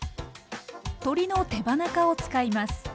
鶏の手羽中を使います。